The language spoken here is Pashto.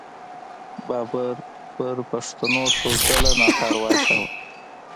بابر پر پښتنو څو څله ناتار واچاوو.